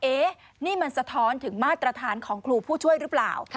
นี่มันสะท้อนถึงมาตรฐานของครูผู้ช่วยหรือเปล่า